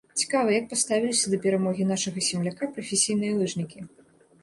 Цікава, як паставіліся да перамогі нашага земляка прафесійныя лыжнікі?